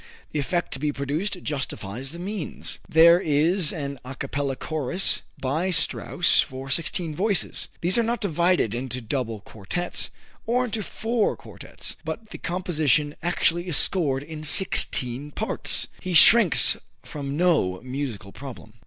The effect to be produced justifies the means. There is an à capella chorus by Strauss for sixteen voices. These are not divided into two double quartets, or into four quartets, but the composition actually is scored in sixteen parts. He shrinks from no musical problem.